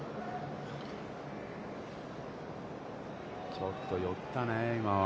ちょっと寄ったね、今のは。